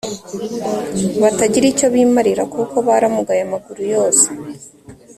batagira icyo bimarira kuko baramugaye amaguru yose